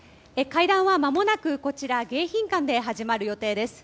会談はまもなく迎賓館で始まる予定です。